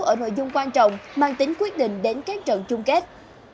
ở nội dung quan trọng mang tính quyết định đến các trận chung kết